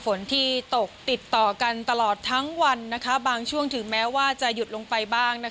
ฝนที่ตกติดต่อกันตลอดทั้งวันบางช่วงถึงแม้ว่าจะหยุดลงไปบ้าง